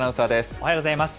おはようございます。